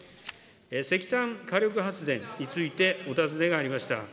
石炭火力発電について、お尋ねがありました。